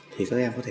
thì các em có thể